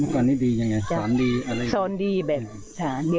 ก่อนนี้ดียังไงสอนดีอะไรอย่างนี้